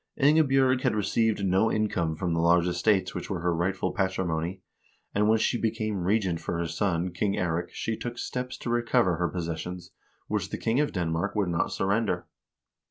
Ingebj0rg had received no income from the large estates which were her rightful patrimony, and when she became regent for her son, King Eirik, she took steps to recover her possessions, which the king of Denmark would not surrender.